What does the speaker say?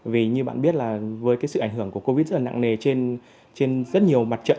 vì như bạn biết là với cái sự ảnh hưởng của covid rất là nặng nề trên rất nhiều mặt trận